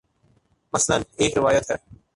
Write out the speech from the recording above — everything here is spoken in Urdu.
مثلا ایک روایت میں